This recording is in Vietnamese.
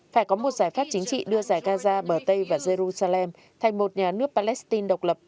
phải có một giải pháp chính trị đưa giải gaza bờ tây và jerusalem thành một nhà nước palestine độc lập